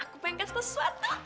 aku pengen kasih sesuatu